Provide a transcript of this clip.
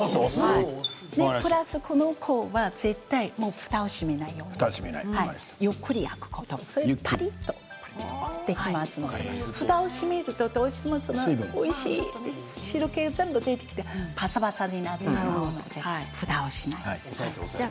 プラス、この子は絶対ふたを閉めないようにゆっくり焼くこと、そうするとパリっとできますのでふたを閉めるとどうしても汁け全部出てきてぱさぱさになってしまうのでふたをしない。